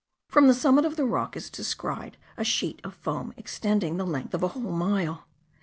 From the summit of the rock is descried a sheet of foam, extending the length of a whole mile.